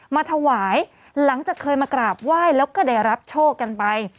มาถวายหลังจากเคยมากราบไหว้แล้วก็ได้รับโชคกันไป